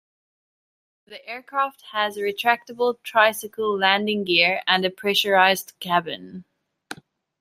The aircraft has retractable tricycle landing gear and a pressurized cabin.